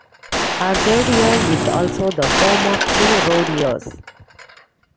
Arcadia is also the home of three rodeos.